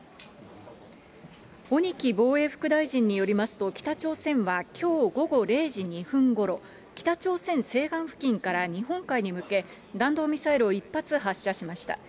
おにき防衛副大臣によりますと、北朝鮮はきょう午後０時２分ごろ、北朝鮮西岸付近から日本海に向け、弾道ミサイルを１発発射しました。